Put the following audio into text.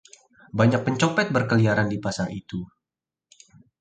banyak pencopet berkeliaran di pasar itu